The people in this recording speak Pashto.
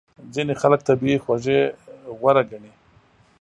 ځینې خلک طبیعي خوږې غوره ګڼي.